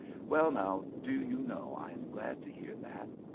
"Well, now, do you know I am glad to hear that?